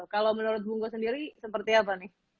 kalau menurut bu ngoz sendiri seperti apa